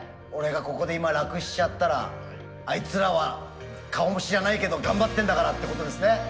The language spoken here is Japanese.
俺がここで今楽しちゃったらあいつらは顔も知らないけど頑張ってんだからってことですね。